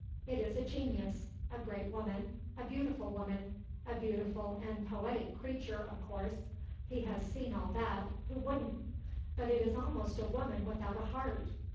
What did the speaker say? It is a genius, a great woman, a beautiful woman, a beautiful and poetic creature, of course; he has seen all that who wouldn't? but it is almost a woman without a heart.